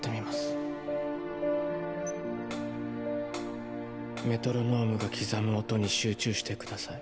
ピッカンカンカンメトロノームが刻む音に集中してください